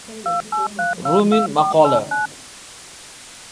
Rumin maqoli